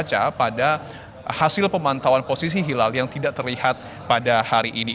kaca pada hasil pemantauan posisi hilal yang tidak terlihat pada hari ini